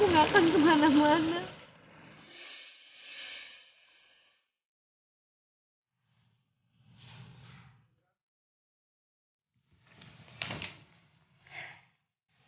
aku gak akan kemana mana